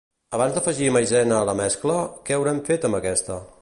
Abans d'afegir Maizena a la mescla, què haurem fet amb aquesta?